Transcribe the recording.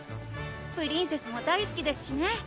プリンセスも大すきですしね